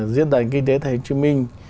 diễn đàn kinh tế tp hcm